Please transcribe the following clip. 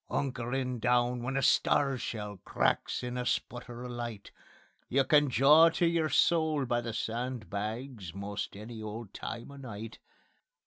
_ Hunkerin' down when a star shell Cracks in a sputter of light, You can jaw to yer soul by the sandbags Most any old time o' night.